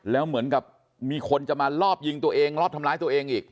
แล้วเหมือนกับมีคนจะมารอบยิงตัวเองรอบทำร้ายตัวเองอีก